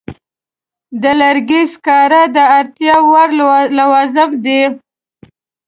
د لرګي سکاره د اړتیا وړ لوازم دي.